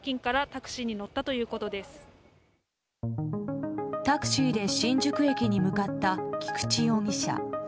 タクシーで新宿駅に向かった菊池容疑者。